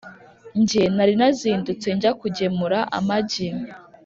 Nge nari nazindutse njya kugemura amagi.